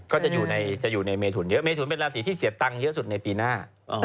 ก็จะอยู่ในเมทุนเยอะเมถุนเป็นราศีที่เสียตังค์เยอะสุดในปีหน้า